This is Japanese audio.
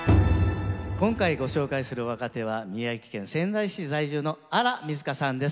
今回ご紹介する若手は宮城県仙台市在住の荒瑞加さんです。